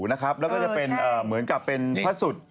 และก็จะเป็นเหมือนกับพระสุทธิ์